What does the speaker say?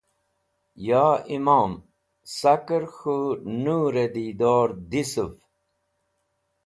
ya imom saker k̃hu noor e didor disuv